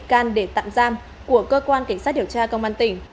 cơ quan cảnh sát điều tra công an tỉnh tạm giam của cơ quan cảnh sát điều tra công an tỉnh